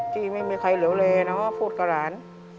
ที่ไม่มีใครเหลวแลนะว่าพูดกับหลาน